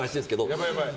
やばい、やばい。